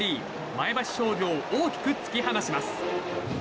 前橋商業を大きく突き放します。